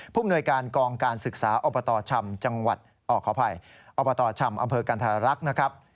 ภูมิหน่วยการกองการศึกษาอชำอกรรณรักษ์นะครับ